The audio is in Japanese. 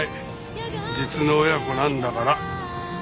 実の親子なんだから。